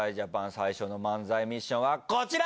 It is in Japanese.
最初の漫才ミッションは、こちら。